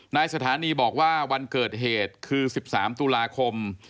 นายสถานีบอกว่าวันเกิดเหตุคือ๑๓ตุลาคม